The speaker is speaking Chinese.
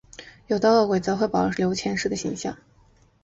有的饿鬼则可能会保留前世的形象。